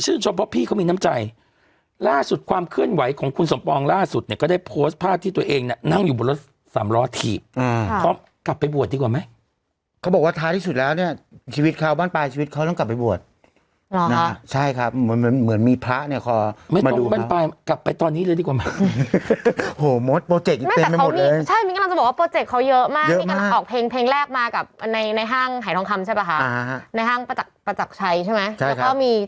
ตอนนี้อากาศเหลือ๑๖องศาปร์อากาศเป็นใจเข้าใจทุกคนก็อยากจะไปกันหมดแหละ